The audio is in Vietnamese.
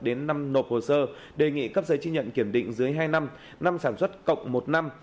đến năm nộp hồ sơ đề nghị cấp giấy chứng nhận kiểm định dưới hai năm năm sản xuất cộng một năm